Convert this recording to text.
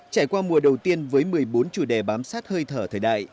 trải qua mùa đầu tiên với một mươi bốn chủ đề bám sát hơi thở thời đại